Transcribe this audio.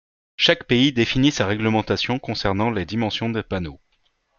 Chaque pays définit sa réglementation concernant les dimensions de panneaux.